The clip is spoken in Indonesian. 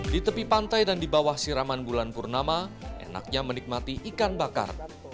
di tepi pantai dan di bawah siraman bulan purnama enaknya menikmati ikan bakar